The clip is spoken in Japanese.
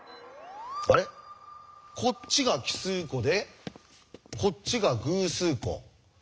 こっちが奇数個でこっちが偶数個。